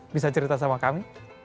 bisa cerita sama kami